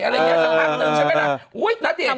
อะไรอย่างนี้สักท่านหนึ่งใช่ไหมครับ